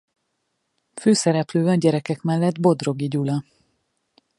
Főszereplő a gyerekek mellett Bodrogi Gyula.